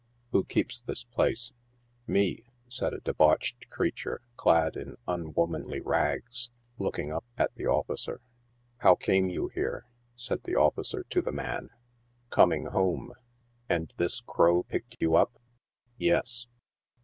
<' Who keeps this place ?"" Me !" said a debauched creature, clad in unwomanly rags, look ing up at the officer. '< How came you here?" said the officer to the man. " Coming home —"" And this crow picked you up ?"" Yes."